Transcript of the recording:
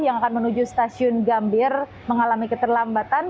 yang akan menuju stasiun gambir mengalami keterlambatan